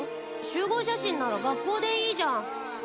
集合写真なら学校でいいじゃん